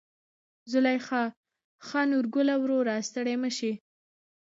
زليخا: ښا نورګله وروره ستړى مشې.